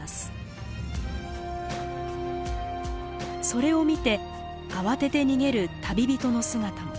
それを見て慌てて逃げる旅人の姿も。